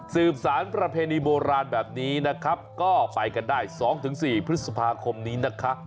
สารประเพณีโบราณแบบนี้นะครับก็ไปกันได้๒๔พฤษภาคมนี้นะคะ